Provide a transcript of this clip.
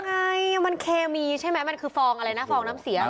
กินยังไงมันเคมีใช่มั้ยมันคือฟองอะไรนะฟองน้ำเสียเหรอฮะ